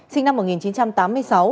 sinh năm một nghìn chín trăm tám mươi sáu